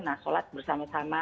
nah sholat bersama sama